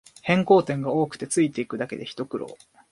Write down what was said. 変更点が多くてついていくだけでひと苦労